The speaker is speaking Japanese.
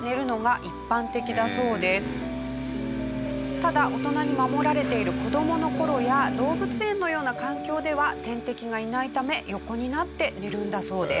ただ大人に守られている子どもの頃や動物園のような環境では天敵がいないため横になって寝るんだそうです。